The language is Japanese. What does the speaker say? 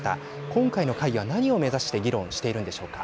今回の会議は何を目指して議論しているんでしょうか。